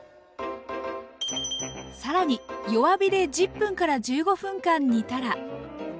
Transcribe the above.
更に弱火で１０分から１５分間煮たら。